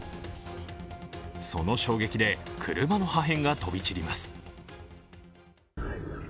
その衝撃で車の破片が飛び散ります。